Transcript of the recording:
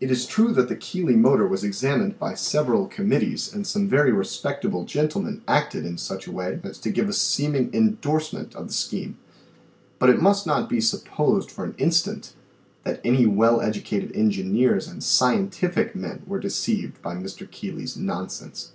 It is true that the Keeley motor was examined by sev eral committees and some very respectable gentlemen acted in such a way as to give a seeming endorsement of the scheme, but it must not be supposed for an instant that any well educated engineers and scientific men were de ceived by Mr. Keeley's nonsense.